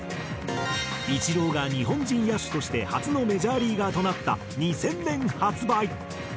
イチローが日本人野手として初のメジャーリーガーとなった２０００年発売。